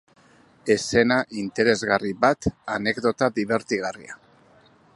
Eszena interesgarri bat, anekdota dibertigarria.